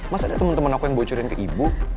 mas ada teman teman aku yang bocorin ke ibu